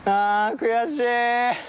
悔しい。